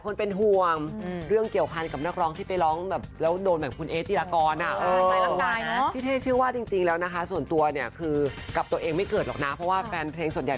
เขาเป็นคนน่ารักเรียบร้อย